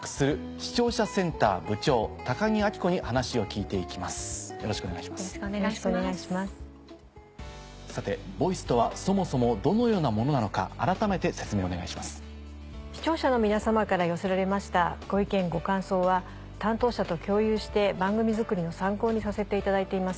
視聴者の皆様から寄せられましたご意見ご感想は担当者と共有して番組づくりの参考にさせていただいています。